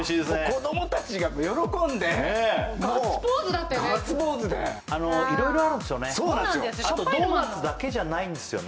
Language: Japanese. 子どもたちが喜んでガッツポーズでいろいろあるんですよねそうなんですよ